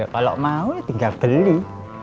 kalau mau ya tinggal beli